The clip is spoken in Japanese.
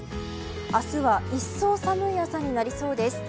明日は一層寒い朝になりそうです。